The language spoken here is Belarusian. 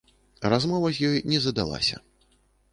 Размова з ёй не задалася.